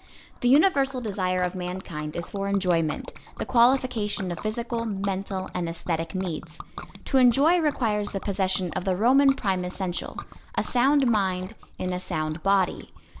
The universal desire of mankind is for enjoyment; the qualification of physical, mental and aesthetic needs. To enjoy requires the possession of the Roman prime essential; a sound mind in a sound body.